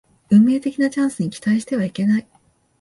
運命的なチャンスに期待してはいけない